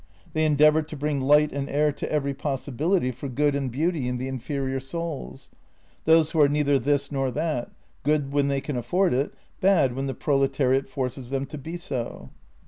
They endeavour to bring light and air to every possibility for good and beauty in the inferior souls — those who are neither this nor that; good when they can afford it, bad when the proletariat forces them to be so.